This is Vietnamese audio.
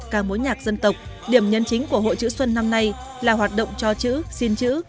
ca mối nhạc dân tộc điểm nhấn chính của hội chữ xuân năm nay là hoạt động cho chữ xin chữ